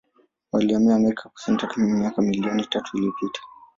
Walihamia Amerika Kusini takribani miaka milioni tatu iliyopita.